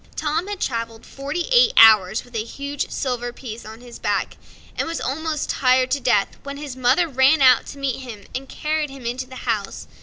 Tom had traveled forty eight hours with a huge silver piece on his back, and was almost tired to death, when his mother ran out to meet him and carried him into the house.